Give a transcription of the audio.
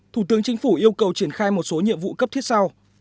thủ tướng chính phủ yêu cầu triển khai một số nhiệm vụ cấp thiết sau